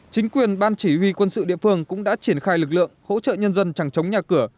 chính quyền ban chỉ huy quân sự địa phương cũng đã triển khai lực lượng hỗ trợ nhân dân chẳng chống nhà cửa